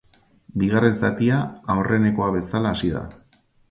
Bigarren zatia aurrenekoa bezala hasi da.